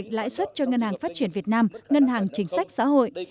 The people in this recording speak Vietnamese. lệnh lãi xuất cho ngân hàng phát triển việt nam ngân hàng chính sách xã hội